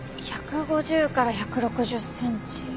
１５０から１６０センチ。